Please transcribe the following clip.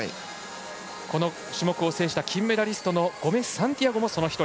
この種目を制した金メダリストのゴメスサンティアゴもその１人。